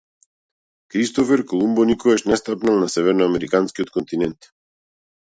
Кристофер Колумбо никогаш не стапнал на северноамериканскиот континент.